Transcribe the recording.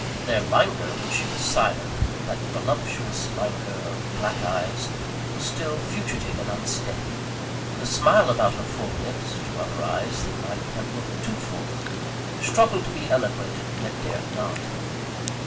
Their languor, when she was silent that voluptuous languor of black eyes was still fugitive and unsteady. The smile about her full lips (to other eyes, they might have looked too full) struggled to be eloquent, yet dared not.